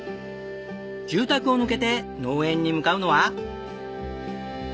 住宅を抜けて農園に向かうのは。